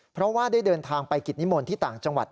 เพราะว่าได้เดินทางไปกิจนิมนต์ที่ต่างจังหวัด